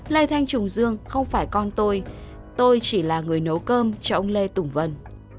lê thanh trùng dương không phải con tôi tôi chỉ là người nấu cơm cho ông lê tùng vân